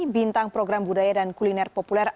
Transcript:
bintang program budaya dan kuliner populer